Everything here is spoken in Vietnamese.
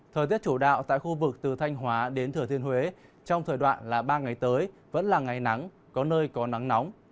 thời tiết chủ đạo tại khu vực từ thanh hóa đến thừa thiên huế trong thời đoạn ba ngày tới vẫn là ngày nắng có nơi có nắng nóng